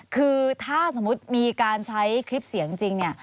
คือถ้าสมมุติมีการใช้คลิปเสียงจริงเนี่ย